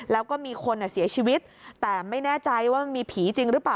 แล้วก็มีคนเสียชีวิตแต่ไม่แน่ใจว่ามีผีจริงหรือเปล่า